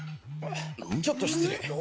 ちょっと失礼。